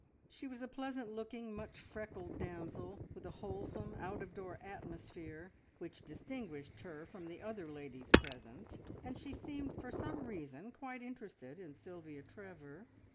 She was a pleasant looking, much freckled damsel, with a wholesome, out of door atmosphere, which distinguished her from the other ladies present, and she seemed for some reason quite interested in Sylvia Trevor.